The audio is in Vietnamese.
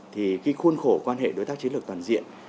thì cái khuôn khổ quan hệ đối tác chế lực toàn diện